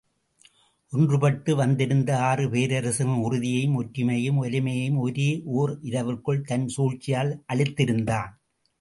ஒன்றுபட்டு வந்திருந்த ஆறு பேரரசர்களின் உறுதியையும் ஒற்றுமையையும் வலிமையையும் ஒரே ஓர் இரவிற்குள் தன் சூழ்ச்சியால் அழித்திருந்தான் உதயணன்.